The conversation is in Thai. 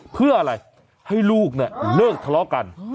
เพื่ออะไรให้ลูกเนี่ยเลิกทะเลาะกัน